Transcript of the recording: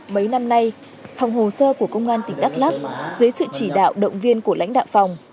mấy năm nay phòng hồ sơ của công an tỉnh đắk lắc dưới sự chỉ đạo động viên của lãnh đạo phòng